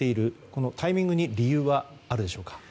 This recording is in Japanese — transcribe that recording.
このタイミングに理由はあるでしょうか。